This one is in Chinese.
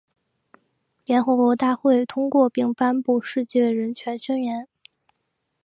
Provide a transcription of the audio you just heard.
联合国大会通过并颁布《世界人权宣言》。